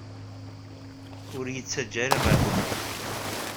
Ur yi-ttaǧǧa ara ɣer deffir.